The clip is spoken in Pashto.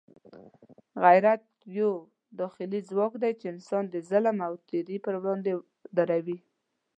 غیرت یو داخلي ځواک دی چې انسان د ظلم او تېري پر وړاندې دروي.